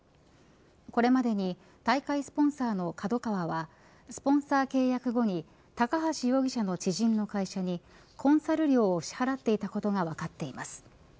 これまでに大会スポンサーのＫＡＤＯＫＡＷＡはスポンサー契約後に高橋容疑者の知人の会社にコンサル料を支払っていたことが分かっています。